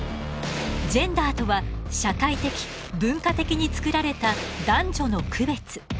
ジェンダーとは社会的文化的に作られた男女の区別。